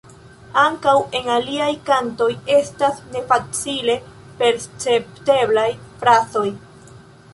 Ankaŭ en aliaj kantoj estas nefacile percepteblaj frazoj.